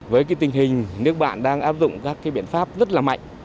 với tình hình nước bạn đang áp dụng các biện pháp rất là mạnh